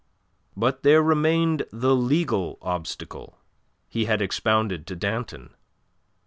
But there remained the legal obstacle he had expounded to Danton.